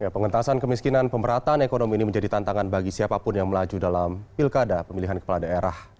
pengentasan kemiskinan pemerataan ekonomi ini menjadi tantangan bagi siapapun yang melaju dalam pilkada pemilihan kepala daerah